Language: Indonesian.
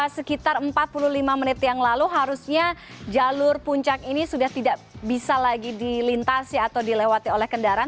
sekitar empat puluh lima menit yang lalu harusnya jalur puncak ini sudah tidak bisa lagi dilintasi atau dilewati oleh kendaraan